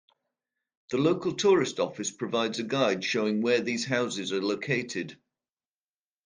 The local tourist office provides a guide showing where these houses are located.